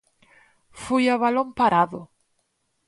Foi a balón parado.